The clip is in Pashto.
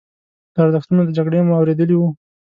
د ارزښتونو د جګړې مو اورېدلي وو.